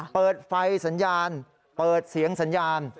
เปิดไฟสัญญาณเปิดเสียงสัญญาณ